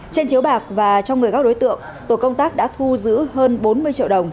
trên chiếu bạc và trong người các đối tượng tổ công tác đã thu giữ hơn bốn mươi triệu đồng